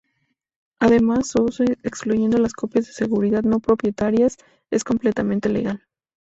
Además, su uso, excluyendo las copias de seguridad no propietarias, es completamente legal.